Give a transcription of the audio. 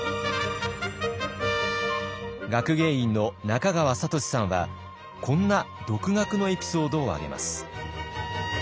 学芸員の中川里志さんはこんな独学のエピソードを挙げます。